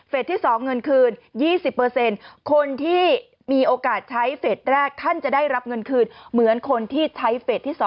ที่๒เงินคืน๒๐คนที่มีโอกาสใช้เฟสแรกท่านจะได้รับเงินคืนเหมือนคนที่ใช้เฟสที่๒